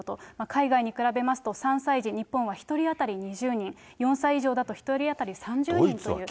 海外に比べますと、３歳児、日本は１人当たり２０人、４歳以上だと１人当たり３０人という。